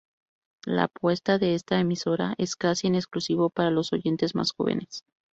La apuesta de esta emisora es, casi en exclusivo, para los oyentes más jóvenes.